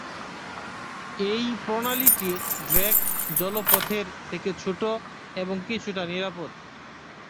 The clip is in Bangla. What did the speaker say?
এই প্রণালীটি ড্রেক জলপথের থেকে ছোট এবং কিছুটা নিরাপদ।